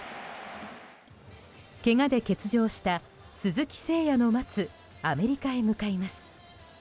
けがで欠場した鈴木誠也の待つアメリカへ向かいます。